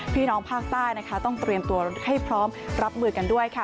พี่น้องภาคใต้นะคะต้องเตรียมตัวให้พร้อมรับมือกันด้วยค่ะ